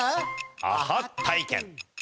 アハ体験。